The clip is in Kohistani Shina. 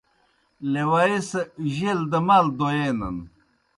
لیوائے سہ جیل دہ مال دویینَن۔